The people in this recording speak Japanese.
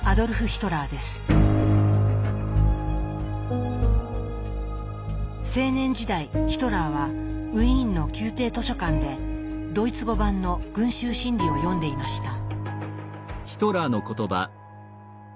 ヒトラーはウィーンの宮廷図書館でドイツ語版の「群衆心理」を読んでいました。